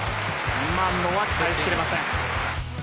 今のは返しきれません。